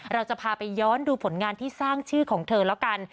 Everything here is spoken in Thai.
เราจะพาไปย้อนดูผลงานที่สร้างชื่อของเธอแล้วกัน